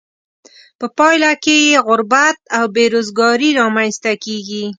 په پایله کې یې غربت او بې روزګاري را مینځ ته کیږي.